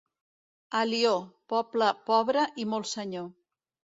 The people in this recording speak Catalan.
Alió, poble pobre i molt senyor.